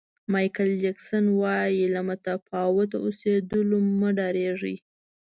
مایکل جکسن وایي له متفاوت اوسېدلو مه ډارېږئ.